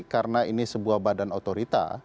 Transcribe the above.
karena ini sebuah badan otorita